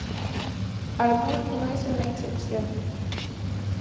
Harbour no es una excepción.